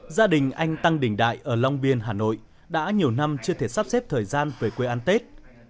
gia đình anh tăng đình đại ở long biên hà nội đã nhiều năm chưa thể sắp xếp thời gian về quê ăn tết